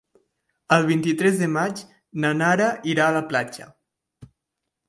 El vint-i-tres de maig na Nara irà a la platja.